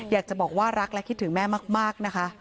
อยากจะบอกว่ารักและคิดถึงแม่มากนะคะ